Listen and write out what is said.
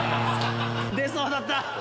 出そうだった！